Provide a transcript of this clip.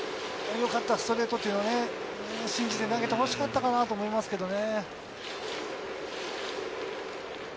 よかった、ストレートがね、信じて投げてほしかったと思いますね。